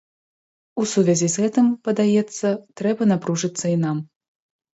У сувязі з гэтым, падаецца, трэба напружыцца і нам.